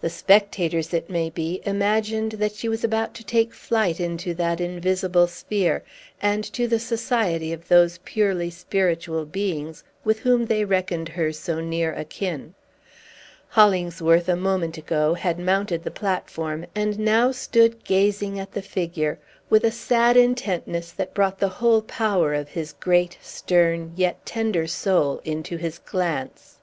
The spectators, it may be, imagined that she was about to take flight into that invisible sphere, and to the society of those purely spiritual beings with whom they reckoned her so near akin. Hollingsworth, a moment ago, had mounted the platform, and now stood gazing at the figure, with a sad intentness that brought the whole power of his great, stern, yet tender soul into his glance.